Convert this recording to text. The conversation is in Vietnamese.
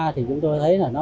chúng tôi thấy là rất là nhiều